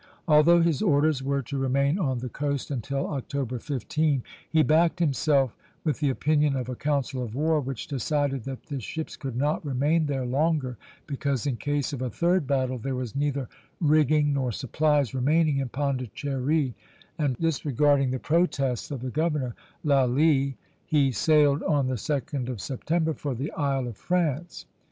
Although his orders were to remain on the coast until October 15, he backed himself with the opinion of a council of war which decided that the ships could not remain there longer, because, in case of a third battle, there was neither rigging nor supplies remaining in Pondicherry; and disregarding the protests of the governor, Lally, he sailed on the 2d of September for the Isle of France.